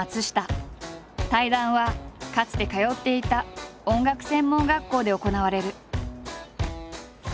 対談はかつて通っていた音楽専門学校で行われる。